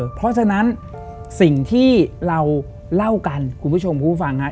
เพราะฉะนั้นสิ่งที่เราเล่ากันคุณผู้ชมผู้ฟังฮะ